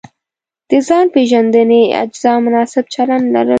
د ځان پېژندنې اجزا مناسب چلند لرل دي.